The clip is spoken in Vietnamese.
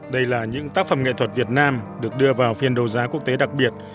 đây là những tác phẩm nghệ thuật việt nam được đưa vào phiên đấu giá quốc tế đặc biệt